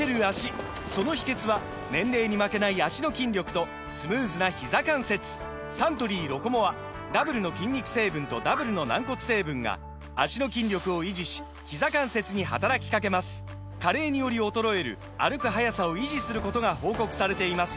その秘けつは年齢に負けない脚の筋力とスムーズなひざ関節サントリー「ロコモア」ダブルの筋肉成分とダブルの軟骨成分が脚の筋力を維持しひざ関節に働きかけます加齢により衰える歩く速さを維持することが報告されています